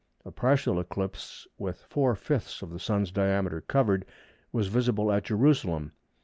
A partial eclipse with four fifths of the Sun's diameter covered was visible at Jerusalem.